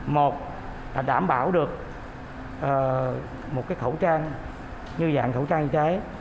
một là đảm bảo được một khẩu trang như dạng khẩu trang y tế